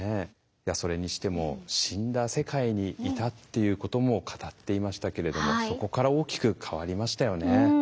それにしても「死んだ世界にいた」っていうことも語っていましたけれどもそこから大きく変わりましたよね。